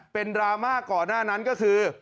เป็นดราม่าก่อนหน้านั้นก็คือ